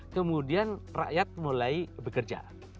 kemudian rakyat mulai bekerja